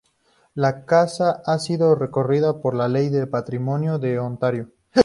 La casa ha sido reconocida por la Ley de Patrimonio de Ontario.